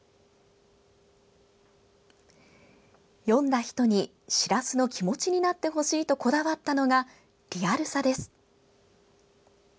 読んだ人にしらすの気持ちになってほしいとこだわったのがリアルさです。